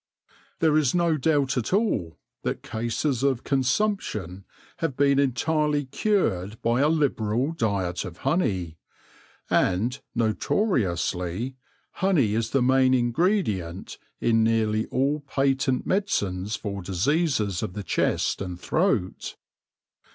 There is no doubt at all that cases of consumption have been entirely cured by a liberal diet of honey ; and, notoriously, honey is the main ingredient in nearly all patent medicines for diseases of the chest and throat.